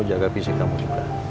jaga fisik kamu juga